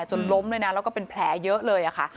จนล้มเลยนะแล้วก็เป็นแผลเยอะเลยค่ะ